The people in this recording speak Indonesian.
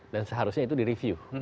dan seharusnya itu di review